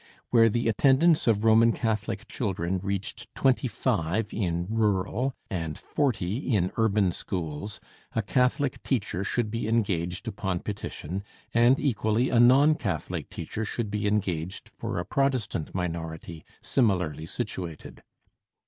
Where the attendance of Roman Catholic children reached twenty five in rural and forty in urban schools, a Catholic teacher should be engaged upon petition, and equally a non Catholic teacher should be engaged for a Protestant minority similarly situated.